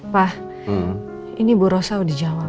pak ini bu rossa udah jawab